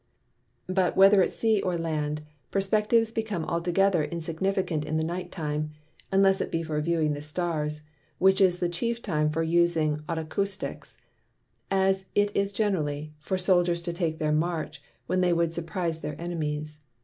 But, whether at Sea or Land, Perspectives become altogether insignificant in the Night time (unless it be for viewing the Stars) which is the chief time for using Otacousticks; as it is generally, for Soldiers to take their March, when they would surprise their Enemies.